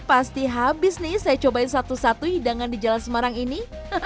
pasti habis nih saya cobain satu satu hidangan di jalan semarang ini